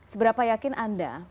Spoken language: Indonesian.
seberapa yakin anda